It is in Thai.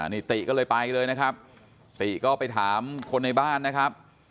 นี่ติก็เลยไปเลยนะครับติก็ไปถามคนในบ้านนะครับ